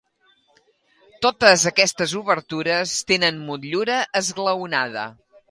Totes aquestes obertures tenen motllura esglaonada.